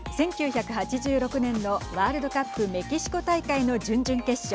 １９８６年のワールドカップメキシコ大会の準々決勝